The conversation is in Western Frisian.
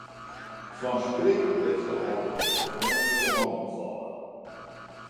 Fan skrik lit se har de telefoan út 'e hannen falle.